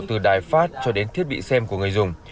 từ đài phát cho đến thiết bị xem của người dùng